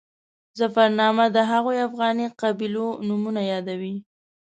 ظفرنامه د هغو افغاني قبیلو نومونه یادوي.